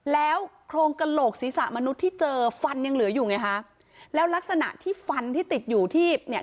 แล้วโครงกระโหลกศีรษะมนุษย์ที่เจอฟันยังเหลืออยู่ไงคะแล้วลักษณะที่ฟันที่ติดอยู่ที่เนี่ย